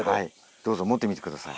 どうぞ持ってみて下さい。